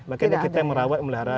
maka kita merawat melihara